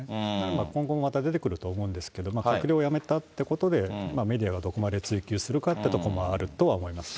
今後もまた出てくると思うんですけど、閣僚を辞めたということで、メディアがどこまで追及するかってとこもあると思います。